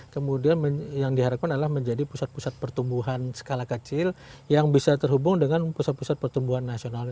kemudian yang diharapkan adalah menjadi pusat pusat pertumbuhan skala kecil yang bisa terhubung dengan pusat pusat pertumbuhan nasional